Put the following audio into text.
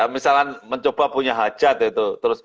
misalnya mencoba punya hajat itu